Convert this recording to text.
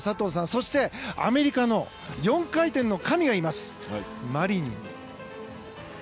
そして、アメリカの４回転の神がいます、マリニン。